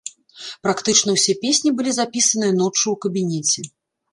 Практычна ўсе песні былі запісаныя ноччу ў кабінеце.